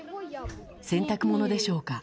洗濯物でしょうか。